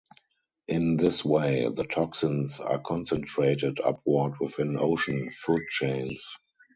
In this way, the toxins are concentrated upward within ocean food chains.